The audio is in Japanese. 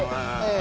え？